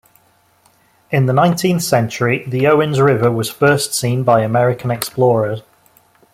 In the nineteenth century, the Owens River was first seen by American explorers.